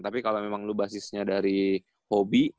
tapi kalau memang lo basisnya dari hobi